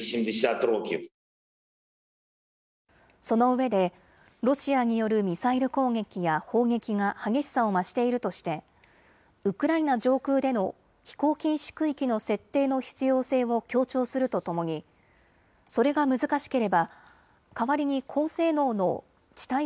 そのうえでロシアによるミサイル攻撃や砲撃が激しさを増しているとしてウクライナ上空での飛行禁止区域の設定の必要性を強調するとともにそれが難しければ代わりに高性能の地